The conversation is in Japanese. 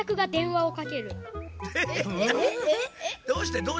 どうして？